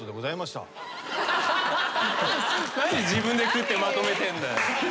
何自分で食ってまとめてんだよ。